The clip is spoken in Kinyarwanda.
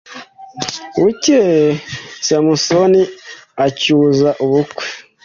Bukeye Samusoni acyuza ubukwe